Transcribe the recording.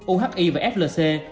uhi và flc đã thực hiện các thủ tục